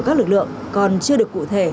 các lực lượng còn chưa được cụ thể